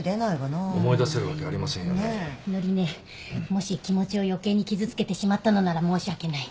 もし気持ちを余計に傷つけてしまったのなら申し訳ない。